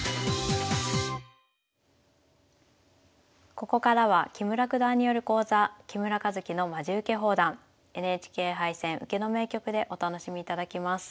ここからは木村九段による講座「木村一基のまじウケ放談ＮＨＫ杯戦・受けの名局」でお楽しみいただきます。